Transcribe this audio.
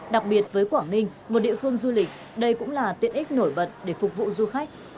đặc biệt với quảng ninh một địa phương du lịch đây cũng là tiện ích nổi bật để phục vụ du khách